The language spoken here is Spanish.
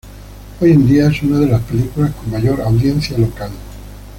Hoy en día es una de las películas con mayor audiencia local.